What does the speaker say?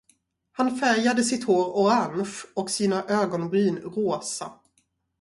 Han färgade sitt hår orange och sina ögonbryn rosa.